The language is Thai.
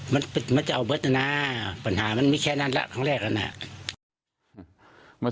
มันมันจะเอาเบิร์ตนะปัญหามันมีแค่นั้นแล้วครั้งแรกแล้วนะ